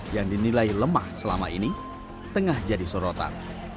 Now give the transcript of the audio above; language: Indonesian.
yang dinilai lemah selama ini tengah jadi sorotan